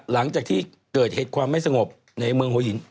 หลังจากที่เกิดเหตุความไม่สงบในเมืองหัวหิน